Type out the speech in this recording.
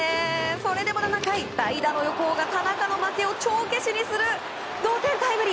それでも７回代打の横尾が田中の負けを帳消しにする同点タイムリー。